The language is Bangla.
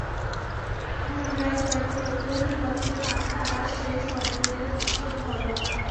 মামলায় জড়ানো লোকগুলো বিপদ থেকে বাঁচতে আবার সেই সদরুলের কাছেই ধরনা দেয়।